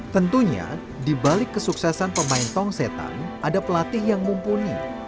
tentunya di balik kesuksesan pemain tong setan ada pelatih yang mumpuni